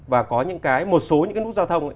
và có những cái một số những cái nút giao thông